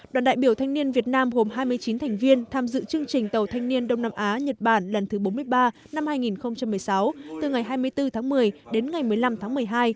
đoàn đại biểu thanh niên việt nam hôm hai mươi chín thành viên tham dự chương trình tàu thanh niên đông nam á nhật bản lần thứ bốn mươi ba năm hai nghìn một mươi sáu từ ngày hai mươi bốn tháng một mươi đến ngày một mươi năm tháng một mươi hai tại các nước nhật bản việt nam thái lan campuchia